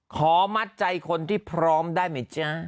ขอมัดใจคนที่พร้อมได้ไหมจ๊ะ